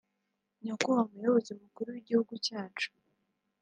“Nyakubahwa muyobozi mukuru w’igihugu cyacu